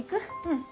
うん。